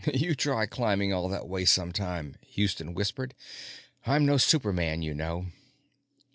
"You try climbing all that way sometime," Houston whispered. "I'm no superman, you know."